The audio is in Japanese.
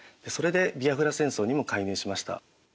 それでビアフラ戦争にも介入しました。